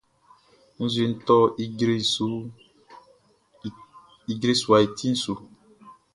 Nzueʼn tɔ ijre suaʼn i ti su.